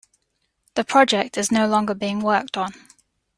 The project is no longer being worked on.